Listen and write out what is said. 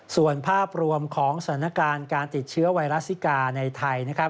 ส่วนภาพรวมของสถานการณ์การติดเชื้อไวรัสซิกาในไทยนะครับ